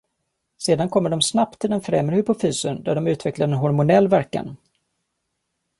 Sedan kommer de snabbt till den främre hypofysen där de utvecklar en hormonell verkan.